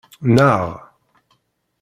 Nnaɣ.